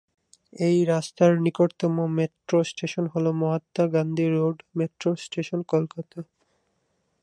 এই রাস্তার নিকটতম মেট্রো স্টেশন হল Mahatma Gandhi road metro station, Kolkata.